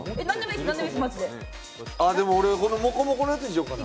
でも俺このもこもこのやつにしようかな。